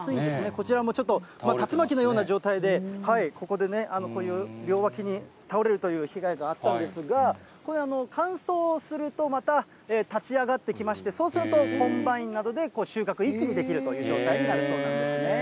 こちらもちょっと、竜巻のような状態で、ここでね、こういう両脇に倒れるという被害があったんですが、これ、乾燥するとまた立ち上がってきまして、そうするとコンバインなどで収穫一気にできるという状態になるそうなんですね。